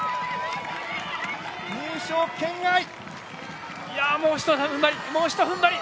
入賞圏外もうひと踏ん張り、